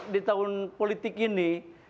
di tahun politik ini